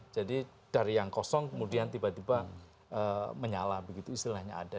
jadi dari yang kosong kemudian tiba tiba menyala begitu istilahnya ada